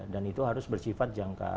dan itu harus bersifat jangka